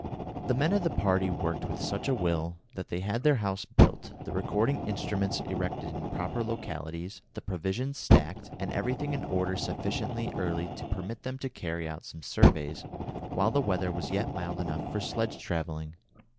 The men of the party worked with such a will that they had their house built, the recording instruments erected in proper localities, the provisions stacked, and everything in order sufficiently early to permit them to carry out some surveys while the weather was yet mild enough for sledge travelling.